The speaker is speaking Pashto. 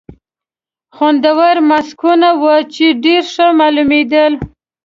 خوندور ماسکونه وو، چې ډېر ښه معلومېدل.